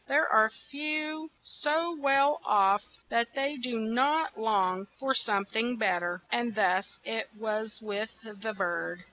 There are few so well off that they do not long for some thing bet ter, and thus it was with the bird.